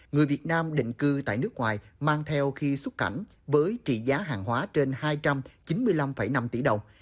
người việt nam định cư tại nước ngoài mang theo khi xuất cảnh với trị giá hàng hóa trên hai trăm chín mươi năm năm tỷ đồng